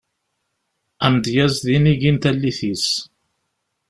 Amedyaz d inigi n tallit-is.